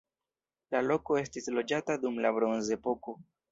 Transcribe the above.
La loko estis loĝata dum la bronzepoko.